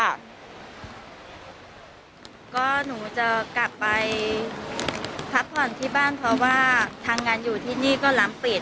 ก็หนูจะกลับไปพักผ่อนที่บ้านเพราะว่าทางงานอยู่ที่นี่ก็ล้ำปิด